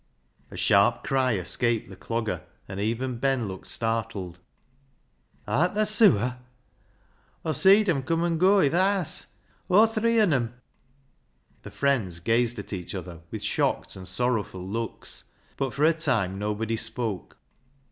A sharp cry escaped the Clogger, and even Ben looked startled. "Art thaa sewer?" "Aw seed em' cum, an' goa i' th' haase ; aw three on 'em." The friends gazed at each other with shocked and sorrowful looks, but for a time nobody spoke.